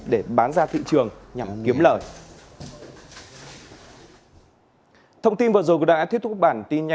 để bán ra thị trường nhằm kiếm lợi